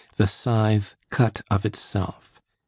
The scythe cut of itself.